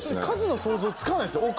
数の想像つかないです